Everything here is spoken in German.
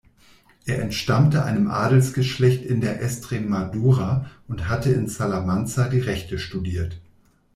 Er entstammte einem Adelsgeschlecht in der Estremadura und hatte in Salamanca die Rechte studiert.